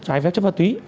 trái phép trên ma túy